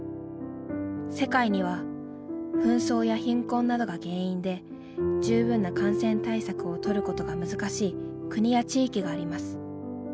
世界には紛争や貧困などが原因で十分な感染対策を取ることが難しい国や地域があります。